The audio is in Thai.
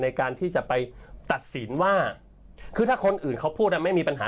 ในการที่จะไปตัดสินว่าคือถ้าคนอื่นเขาพูดไม่มีปัญหา